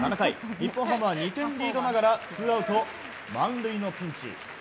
日本ハムは２点リードながらツーアウト満塁のピンチ。